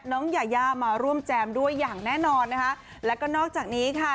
น้องยายามาร่วมแจมด้วยอย่างแน่นอนนะคะแล้วก็นอกจากนี้ค่ะ